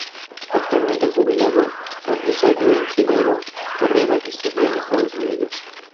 Actualmente jubilado, fue empresario e ingeniero, carrera que estudió en Estados Unidos.